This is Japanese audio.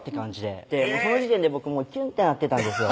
その時点で僕キュンってなってたんですよ